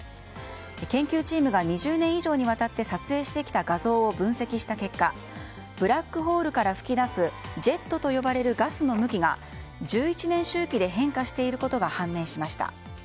研究チームが２０年以上にわたって撮影してきた画像を分析した結果ブラックホールから噴き出すジェットと呼ばれるガスの向きが１１年周期で変化していることが判明しました。